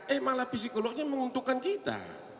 eh malah psikolognya menguntungkan kita